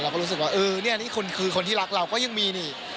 ก็รู้สึกว่าเออเนี่ยนี่คุณคือคนที่รักเราก็ยังมีนี่